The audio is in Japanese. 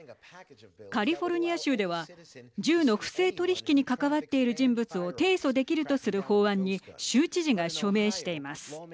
カリフォルニア州では銃の不正取引に関わっている人物を提訴できるとする法案に州知事が署名しています。